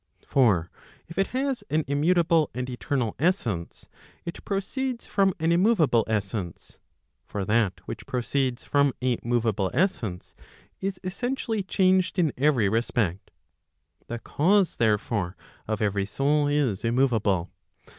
For if it has an immutable and eternal essence, it proceeds from an immoveable essence. For that which proceeds from a moveable essence, is essentially changed in every respect. The cause, therefore, of every soul is immoveable.